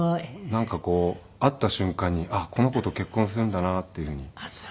なんかこう会った瞬間にあっこの子と結婚するんだなっていうふうに感じて。